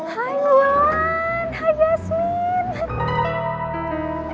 hai luan hai jasmine